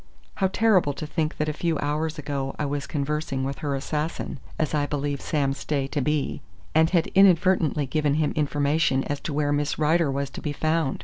How terrible to think that a few hours ago I was conversing with her assassin, as I believe Sam Stay to be, and had inadvertently given him information as to where Miss Rider was to be found!